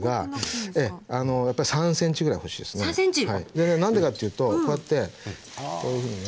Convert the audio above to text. でね何でかっていうとこうやってこういうふうにね。